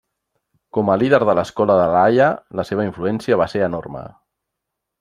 Com a líder de l'Escola de La Haia, la seva influència va ser enorme.